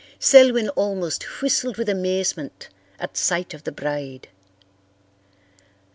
Selwyn almost whistled with amazement at sight of the bride.